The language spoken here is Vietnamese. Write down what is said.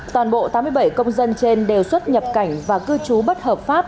toàn bộ tám mươi bảy công dân trên đều xuất nhập cảnh và cư trú bất hợp pháp